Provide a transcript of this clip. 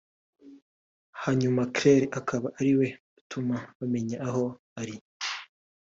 hanyuma Claire akaba ari we utuma bamenya aho ari